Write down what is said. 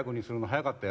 早かった。